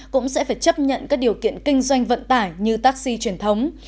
cũng sẽ phải chấp nhận các điều kiện kinh doanh vận tải như taxi truyền thống